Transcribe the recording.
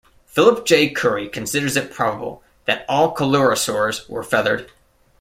Philip J. Currie considers it probable that all coelurosaurs were feathered.